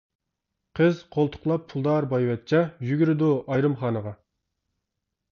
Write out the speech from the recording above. قىز قولتۇقلاپ پۇلدار بايۋەچچە، يۈگۈرىدۇ ئايرىم خانىغا.